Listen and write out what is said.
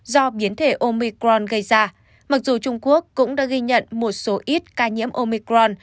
do biến thể omicron gây ra mặc dù trung quốc cũng đã ghi nhận một số ít ca nhiễm omicron